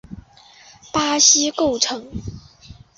巴西构成。